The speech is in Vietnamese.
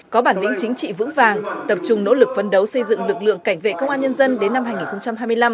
có bản lĩnh chính trị vững vàng tập trung nỗ lực phân đấu xây dựng lực lượng cảnh vệ công an nhân dân đến năm hai nghìn hai mươi năm